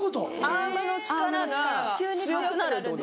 アームの力が強くなるってこと？